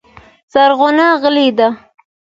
زرغونه غلې ده .